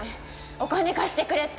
お金貸してくれって。